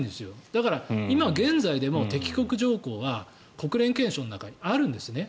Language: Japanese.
だから、今現在でも、敵国条項は国連憲章の中にあるんですね。